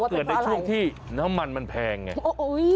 เกิดในช่วงที่น้ำมันมันแพงไง